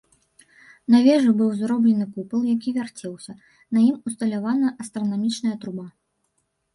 На вежы быў зроблены купал, які вярцеўся, на ім усталявана астранамічная труба.